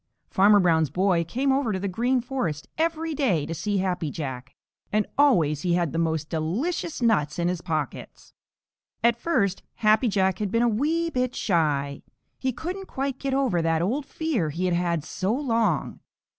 Farmer Brown's boy came over to the Green Forest every day to see Happy Jack, and always he had the most delicious nuts in his pockets. At first Happy Jack had been a wee bit shy. He couldn't quite get over that old fear he had had so long.